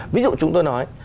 ví dụ chúng tôi nói